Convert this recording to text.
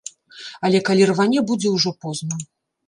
Але калі рване, будзе ўжо позна.